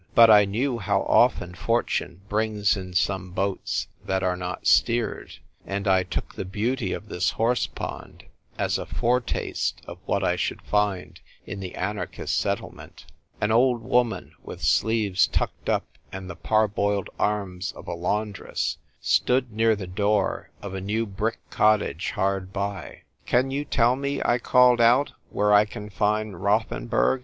But I knew how often fortune brings in some boats that are not steered ; and I took the beauty of this " horse pond " as a foretaste of what I should find in the anarchist settle ment. An old woman, with sleeves tucked up and the parboiled arms of a laundress, stood near the door of a new brick cottage hard by. "Can you tell me," I called out, "where I can find Rothenburg